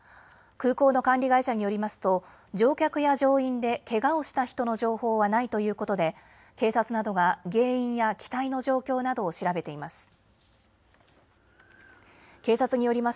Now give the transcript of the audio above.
空港の管理会社によりますと乗客や乗員でけがをした人の情報はないということで警察などが原因や機体の状況などを調べています。